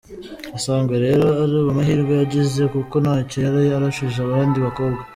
Asanga rero ari amahirwe yagize, kuko ntacyo yari arushije abandi bakobwa.